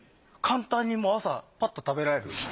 簡単に朝パッと食べられる。